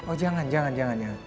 oh jangan jangan jangan